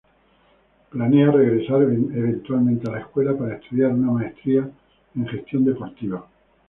Él planea regresar eventualmente a la escuela para estudiar una maestría en Gestión Deportiva.